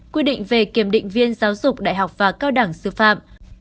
quy định về kiểm định viên giáo dục đại học và cao đẳng sư phạm